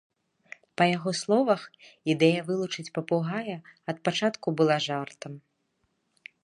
Па яго словах, ідэя вылучыць папугая ад пачатку была жартам.